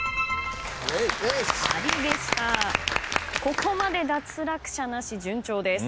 ここまで脱落者なし順調です。